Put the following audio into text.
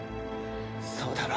そうだろ？